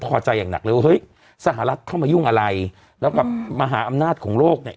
พอใจอย่างหนักเลยว่าเฮ้ยสหรัฐเข้ามายุ่งอะไรแล้วกับมหาอำนาจของโลกเนี่ย